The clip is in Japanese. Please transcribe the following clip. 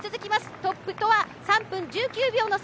トップとは３分１９秒の差。